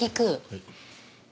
はい。